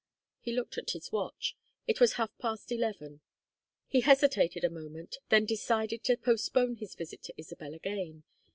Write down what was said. He looked at his watch. It was half past eleven. He hesitated a moment, then decided to postpone his visit to Isabel again.